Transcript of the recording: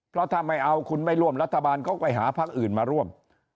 เพราะถ้าไม่เอาคุณไม่ร่วมรัฐบาลก็ไปหาพักอื่นมาร่วม